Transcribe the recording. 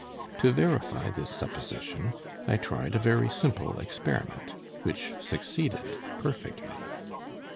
To verify this supposition, I tried a very simple experiment, which succeeded perfectly.